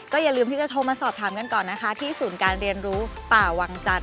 อย่าลืมที่จะโทรมาสอบถามกันก่อนนะคะที่ศูนย์การเรียนรู้ป่าวังจันท